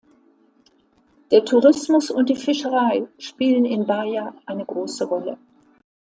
Der Tourismus und die Fischerei spielen in Baja eine große Rolle.